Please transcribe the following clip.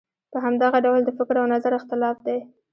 په همدغه ډول د فکر او نظر اختلاف دی.